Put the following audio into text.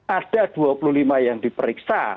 ada dua puluh lima yang diperiksa